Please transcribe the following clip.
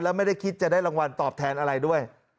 และไม่ได้คิดจะได้รางวัลตอบแทนอะไรด้วย